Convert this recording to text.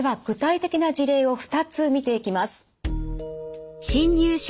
具体的な事例を２つ見ていきます。